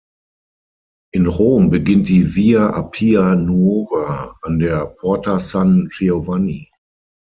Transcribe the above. In Rom beginnt die "Via Appia Nuova" an der Porta San Giovanni.